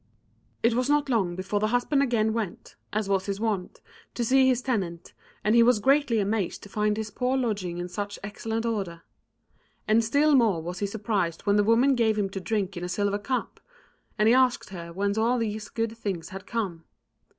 It was not long before the husband again went, as was his wont, to see his tenant, and he was greatly amazed to find his poor lodging in such excellent order. And still more was he surprised when the woman gave him to drink in a silver cup; and he asked her whence all these good things had come.